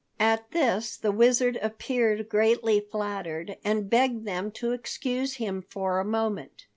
At this the Wizard appeared greatly flattered and begged them to excuse him for a moment.